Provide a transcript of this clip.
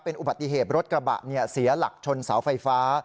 อุบัติเหตุรถกระบะเสียหลักชนเสาไฟฟ้า